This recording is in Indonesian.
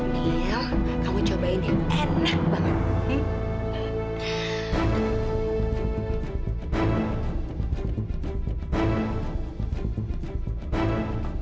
dia kamu cobain yang enak banget